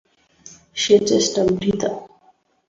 সে চেষ্টা বৃথা।